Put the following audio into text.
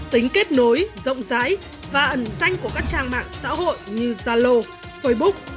tính kết nối rộng rãi và ẩn danh của các trang mạng xã hội như zalo facebook